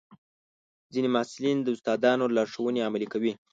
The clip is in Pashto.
ځینې محصلین د استادانو لارښوونې عملي کوي.